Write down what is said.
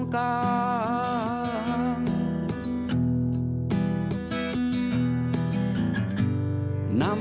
เพลง